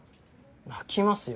泣きますよ